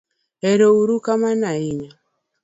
erouru kamano ahinya